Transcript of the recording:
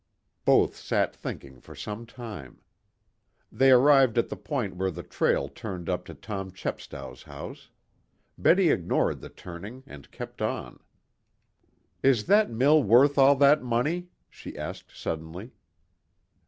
Both sat thinking for some time. They arrived at the point where the trail turned up to Tom Chepstow's house. Betty ignored the turning and kept on. "Is that mill worth all that money?" she asked suddenly.